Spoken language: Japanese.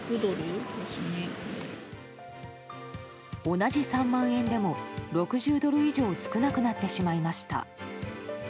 同じ３万円でも、６０ドル以上少なくなってしまいました。